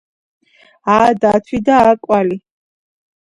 ა დათვი და ა კვალი